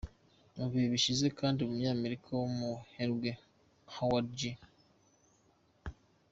Mu bihe bishize kandi umunyamerika w’umuherwe Howard G.